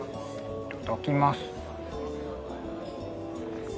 頂きます。